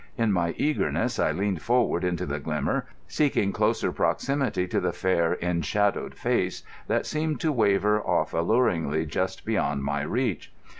In my eagerness I leaned forward into the glimmer, seeking closer proximity to the fair enshadowed face that seemed to waver off alluringly just beyond my reach.